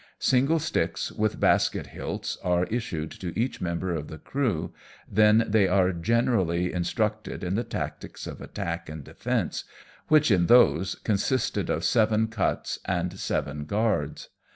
Single sticks with basket hilts are issued to each m ember of the crew, then they are generally in structed in the tactics of attack and defence, which in those consisted of seven cuts and seven guards.